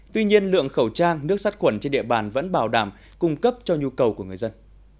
tuy nhiên lượng khẩu trang nước sát khuẩn trên địa bàn vẫn bảo đảm cung cấp cho nhu cầu của người dân